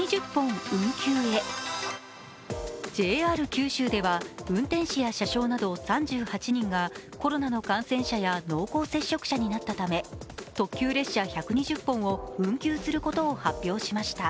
ＪＲ九州では、運転士や車掌など３８人がコロナの感染者や濃厚接触者になったため特急列車１２０本を運休することを発表しました。